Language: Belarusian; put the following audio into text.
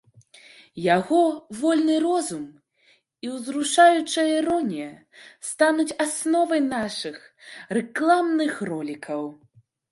Яго вольны розум і ўзрушаючая іронія стануць асновай нашых рэкламных ролікаў.